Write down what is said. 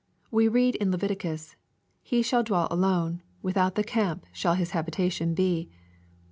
We read in Leviticus, " He shall dwell alone : without the camp shall hia habitation be."